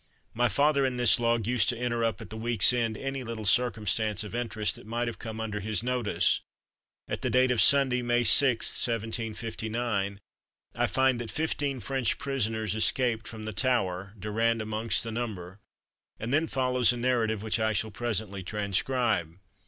My father in this "Log," used to enter up at the week's end any little circumstance of interest that might have come under his notice. At the date of Sunday, May 6_th_, 1759, I find "That fifteen French prisoners escaped from the Tower, Durand amongst the number"; and then follows a narrative which I shall presently transcribe.